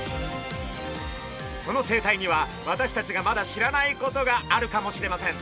その生態には私たちがまだ知らないことがあるかもしれません。